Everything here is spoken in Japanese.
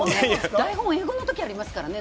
台本が英語のときありますからね。